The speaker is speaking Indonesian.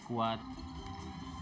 pengalaman pertama ya